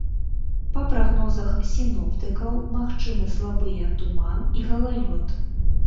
Па прагнозах сіноптыкаў, магчымы слабыя туман і галалёд.